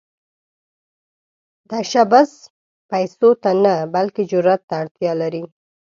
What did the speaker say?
تشبث پيسو ته نه، بلکې جرئت ته اړتیا لري.